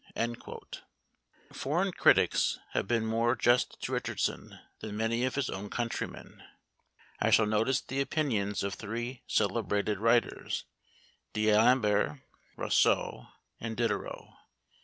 Foreign critics have been more just to Richardson than many of his own countrymen. I shall notice the opinions of three celebrated writers, D'Alembert, Rousseau, and Diderot.